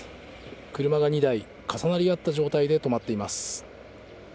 車が２台重なり合った状態で止まっています。